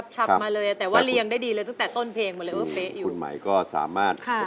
เชิญเอาเชิญแต่เรื่องเงินงามคุย